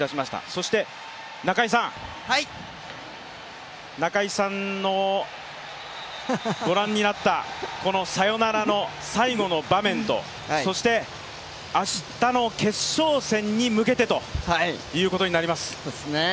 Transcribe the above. そして、中居さんのご覧になったサヨナラの最後の場面と、そして明日の決勝戦に向けてということになります。